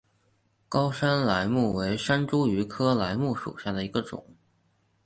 高山梾木为山茱萸科梾木属下的一个种。